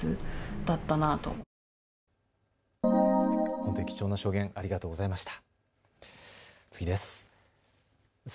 本当に貴重な証言ありがとうございました。